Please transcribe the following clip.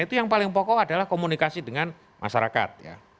itu yang paling pokok adalah komunikasi dengan masyarakat